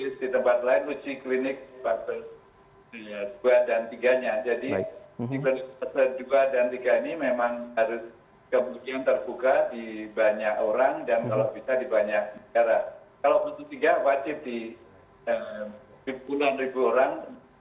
kalau butuh tiga wajib di puluhan ribu orang